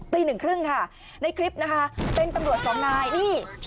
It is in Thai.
ตีหนึ่งครึ่งค่ะในคลิปนะคะเป็นตำรวจสองนายนี่